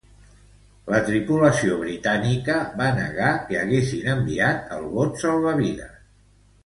La tripulació britànica va negar que haguessin enviat el bot salvavides.